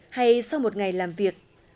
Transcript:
hay sau một ngày làm việc